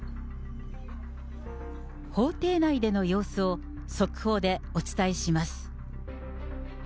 法廷内での様子を速報でお伝えします。